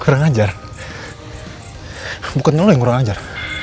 kurang ajar bukannya lo yang kurang ajar